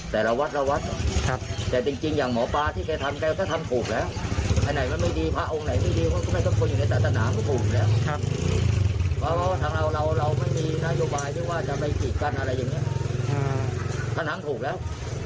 ท๊าร์น้ำถูกแล้ว